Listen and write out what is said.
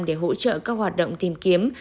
để hỗ trợ các hoạt động tìm kiếm